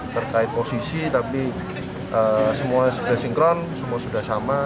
terkait posisi tapi semua sudah sinkron semua sudah sama